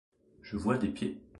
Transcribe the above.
Je vois des pieds.